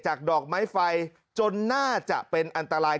ดอกไม้ไฟจนน่าจะเป็นอันตราย